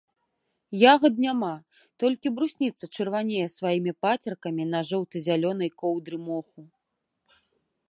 Ягад няма, толькі брусніца чырванее сваімі пацеркамі на жоўта-зялёнай коўдры моху.